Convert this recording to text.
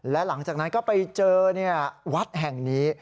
และหลังจากนั้นก็ไปเจอวัดแห่งนี้